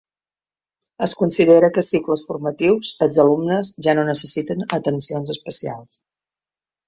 Es considera que a cicles formatius els alumnes ja no necessiten atencions especials.